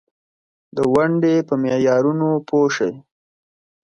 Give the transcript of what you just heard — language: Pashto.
څرمن، صابون جوړول، غالۍ او ټغر اوبدل هم د سوداګرۍ برخه وه.